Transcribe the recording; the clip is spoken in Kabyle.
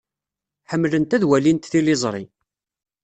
Ḥemmlent ad walint tiliẓri.